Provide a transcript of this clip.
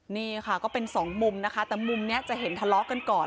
นี่ค่ะก็เป็นสองมุมนะคะแต่มุมนี้จะเห็นทะเลาะกันก่อน